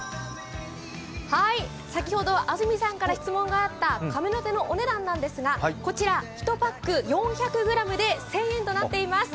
先ほど、安住さんから質問があったカメノテのお値段なんですが、こちら、１パック、４００ｇで１０００円となっています。